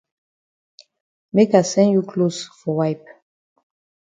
Make I send you closs for wipe.